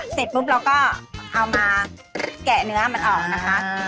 เสร็จปุ๊บเราก็เอามาแกะเนื้อมันออกนะคะ